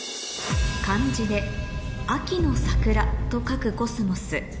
漢字で「秋の桜」と書くコスモスえ？